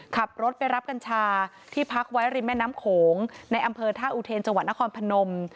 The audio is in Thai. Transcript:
ขับรถไปรับกัญชาที่พักไว้ริมแม่น้ำโขงในอำเภอท่าอุเทนจังหวัดนครพนม